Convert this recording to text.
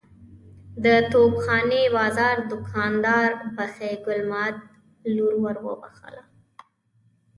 د توپ خانې بازار دوکاندار بخۍ ګل ماد لور ور وبخښله.